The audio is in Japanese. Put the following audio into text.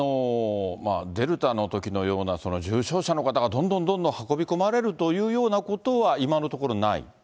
デルタのときのような重症者の方がどんどんどんどん運び込まれるというようなことは、今のところない？